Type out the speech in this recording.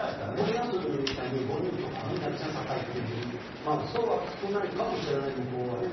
森保みたいに５人とかみんな休み入ってるのに、そうは少ないかもしれない、向こうはね。